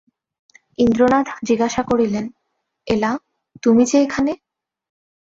ইন্দ্রনাথ জিজ্ঞাসা করলেন, এলা, তুমি যে এখানে?